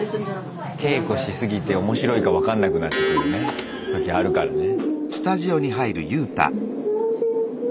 稽古しすぎて面白いか分かんなくなってくるね時あるからね。